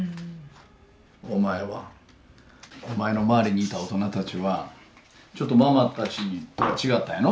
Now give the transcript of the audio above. お前の周りにいた大人たちはちょっとママたちとは違ったんやろ？